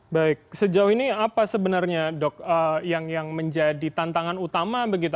baik sejauh ini apa sebenarnya dok yang menjadi tantangan utama begitu